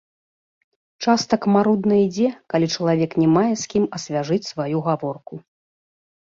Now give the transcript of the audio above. Час так марудна ідзе, калі чалавек не мае з кім асвяжыць сваю гаворку.